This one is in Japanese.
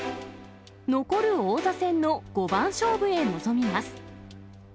残る王座戦の五番勝負へ臨みます。